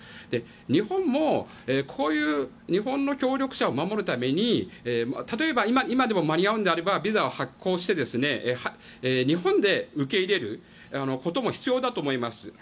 日本もこういう日本の協力者を守るために例えば今でも間に合うのであればビザを発行して日本で受け入れることも必要だと思います。